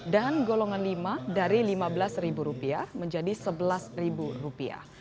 dan golongan lima dari lima belas rupiah menjadi sebelas rupiah